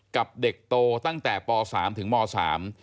กับเด็กโตตั้งแต่ป๓ถึงม๓